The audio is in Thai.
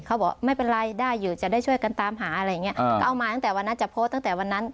เขาบอกไม่เป็นไรได้อยู่จะได้ช่วยกันตามหาอะไรอย่างเงี้ก็เอามาตั้งแต่วันนั้นจะโพสต์ตั้งแต่วันนั้น